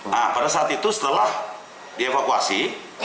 nah pada saat itu setelah dievakuasi